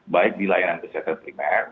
baik di layanan kesehatan primer